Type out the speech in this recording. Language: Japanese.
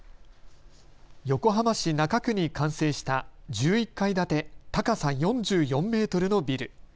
横浜市中区に完成した１１階建て高さ４４メートルのビル。